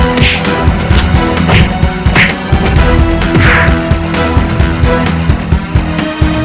aku mohon jangan bunuh anakku